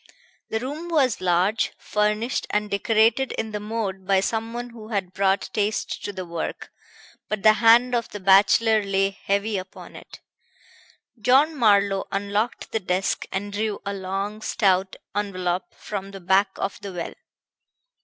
The room was large, furnished and decorated in the mode by someone who had brought taste to the work; but the hand of the bachelor lay heavy upon it. John Marlowe unlocked the desk and drew a long, stout envelop from the back of the well.